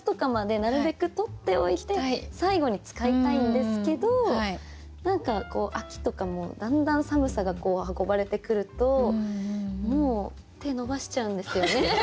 なるべく取っておいて最後に使いたいんですけど何かこう秋とかもだんだん寒さが運ばれてくるともう手伸ばしちゃうんですよね。